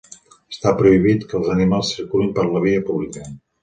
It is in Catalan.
Està prohibit que els animals circulin per la via pública.